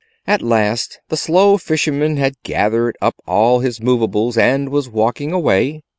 At last the slow fisherman had gathered up all his movables and was walking away.